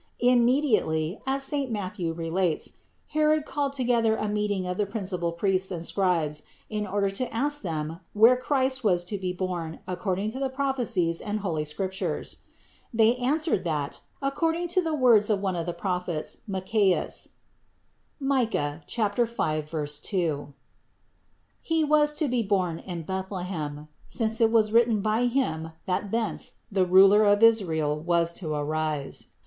Immediately, as saint Matthew relates, Herod called together a meeting of the principal priests and scribes in order to ask them where Christ was to be born according to the prophecies and holy Scrip tures. They answered that, according to the words of one of the Prophets, Micheas (Mich. 5, 2), He was to be born in Bethlehem; since it was written by him that thence the Ruler of Israel was to arise.